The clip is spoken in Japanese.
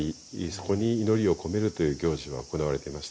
そこに祈りを込めるという行事は行われています。